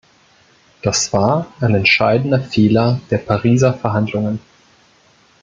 Das war ein entscheidender Fehler der Pariser Verhandlungen.